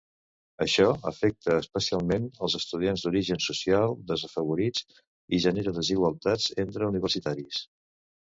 Això afecta especialment els estudiants d'origen social desafavorit i genera desigualtats entre universitaris.